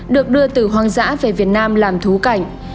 được đưa từ hoang dã về việt nam làm thú cảnh